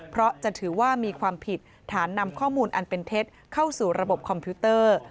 เพราะจะถือว่ามีความผิดฐานนำข้อมูลอันเป็นเท็จเข้าสู่ระบบคอมพิวเตอร์